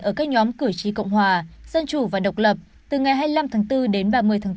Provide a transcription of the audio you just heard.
ở các nhóm cử tri cộng hòa dân chủ và độc lập từ ngày hai mươi năm tháng bốn đến ba mươi tháng bốn